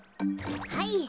はい。